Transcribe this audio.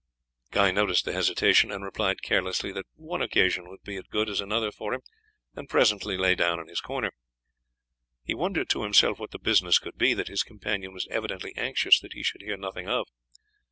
Guy noticed the hesitation, and replied carelessly that one occasion would be as good as another for him, and presently lay down in his corner. He wondered to himself what the business could be that his companion was evidently anxious that he should hear nothing of.